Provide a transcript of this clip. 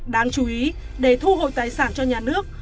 đáng chú ý để thu hồi tài sản cho nhà nước